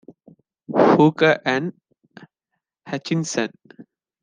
Hooker and Hutchinson.